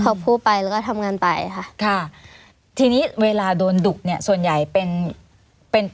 เขาพูดไปแล้วก็ทำงานตายค่ะค่ะทีนี้เวลาโดนดุเนี่ยส่วนใหญ่เป็นเป็น